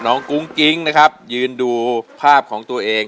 กุ้งกิ๊งนะครับยืนดูภาพของตัวเอง